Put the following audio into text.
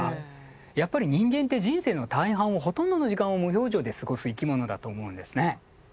やっぱり人間って人生の大半をほとんどの時間を無表情で過ごす生き物だと思うんですね。